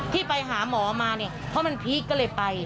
ที่ไปหาหมอมาเนี่ยเพราะมันพีคก็เลยไป